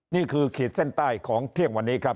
นี่คือเขตเส้นใต้ของเที่ยงวันนี้ครับ